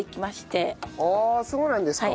そうなんですか？